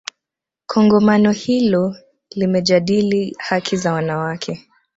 kongamano hilo limejadili haki za wanawake